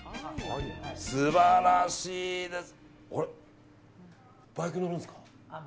素晴らしいです。